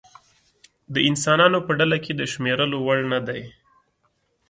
د انسانانو په ډله کې د شمېرلو وړ نه دی.